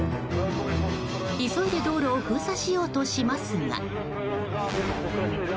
急いで道路を封鎖しようとしますが。